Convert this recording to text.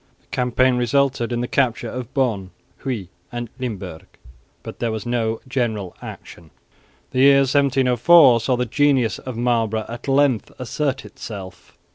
The campaign resulted in the capture of Bonn, Huy and Limburg, but there was no general action. The year 1704 saw the genius of Marlborough at length assert itself.